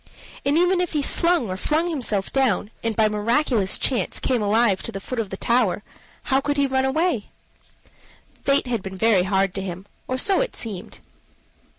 And even if he slung or flung himself down, and by miraculous chance came alive to the foot of the tower, how could he run away? Fate had been very hard to him, or so it seemed.